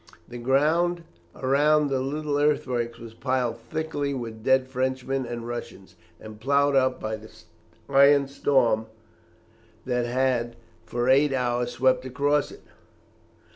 The ground around the little earthworks was piled thickly with dead Frenchmen and Russians, and ploughed up by the iron storm that had for eight hours swept across it.